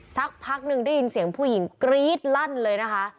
สักพักหนึ่งได้ยินเสียงผู้หญิงกรี๊ดลั่นเลยนะคะ